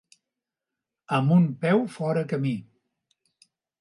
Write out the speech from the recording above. Amb un peu fora camí.